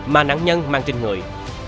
mà nạn nhân mang trên người